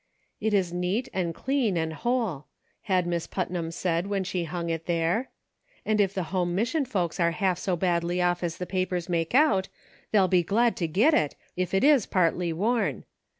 *' It is neat and clean and whole," had Miss Putnam said when she hung it there, "and if the home mission folks are half so badly off as the papers make out, they'll be glad to get it, if it is partly worn.